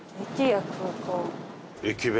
駅弁？